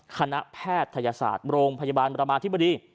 คณะแพทยศาสตร์โรงพยาบาลประมาธิบดี